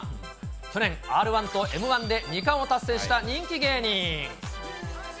去年、Ｒー１とＭー１で２冠を達成した人気芸人。